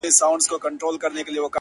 ځكه مي دعا!!دعا!!دعا په غېږ كي ايښې ده!!